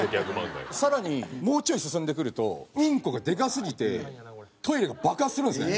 更にもうちょい進んでくるとうんこがでかすぎてトイレが爆発するんですね。